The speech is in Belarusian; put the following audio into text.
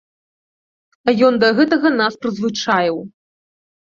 Ён да гэтага нас прызвычаіў.